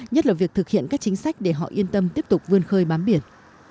nhất là việc thực hiện các chính sách để họ yên tâm tiếp tục vươn khơi bám biển